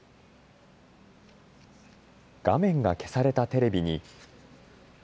画面が消されたテレビに。